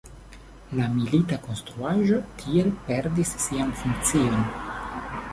La milita konstruaĵo tiel perdis sian funkcion.